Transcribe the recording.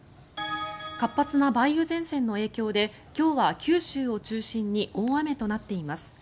活発な梅雨前線の影響で今日は九州を中心に大雨となっています。